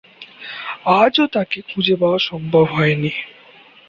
আজও তাকে খুঁজে পাওয়া সম্ভব হয়নি।